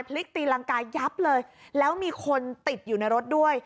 พลิกตีรังกายับเลยแล้วมีคนติดอยู่ในรถด้วย